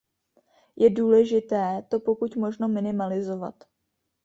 Je důležité to pokud možno minimalizovat.